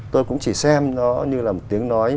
tôi cũng chỉ xem nó như là một tiếng nói